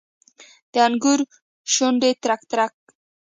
د انګورو شونډې ترک، ترک